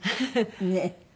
ねえ。